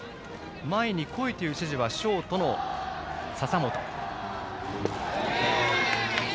前に来いという指示はショートの笹本。